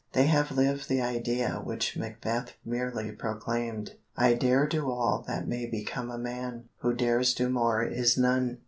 They have lived the idea which Macbeth merely proclaimed: "I dare do all that may become a man; Who dares do more is none."